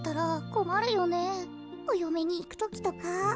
およめにいくときとか。